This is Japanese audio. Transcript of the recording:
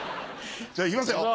じゃ行きますよ